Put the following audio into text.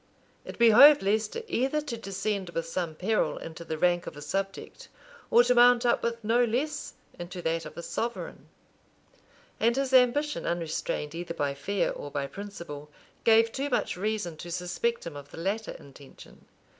It behoved Leicester either to descend with some peril into the rank of a subject, or to mount up with no less into that of a sovereign; and his ambition, unrestrained either by fear or by principle, gave too much reason to suspect him of the latter intention.